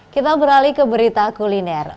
kita beralih ke berita kuliner